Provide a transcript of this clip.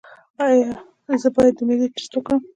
ایا زه باید د معدې ټسټ وکړم؟